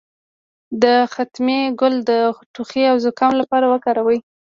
د ختمي ګل د ټوخي او زکام لپاره وکاروئ